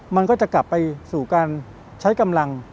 มันก็จะกลับไปสู่การใช้กำลัง